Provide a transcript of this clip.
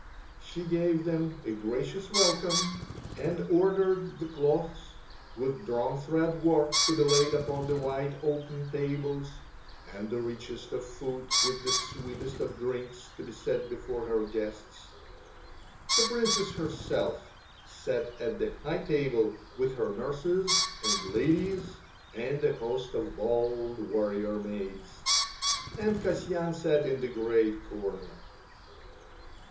She gave them a gracious welcome and ordered the cloths with drawn thread work to be laid upon the white oaken tables, and the richest of food with the sweetest of drinks to be set before her guests. The Princess herself sat at the high table with her nurses and ladies and a host of bold warrior maids, and Kasyan sat in the great corner.